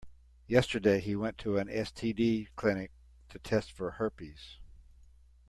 Yesterday, he went to an STD clinic to test for herpes.